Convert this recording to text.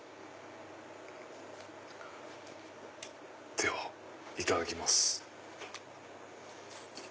ではいただきます。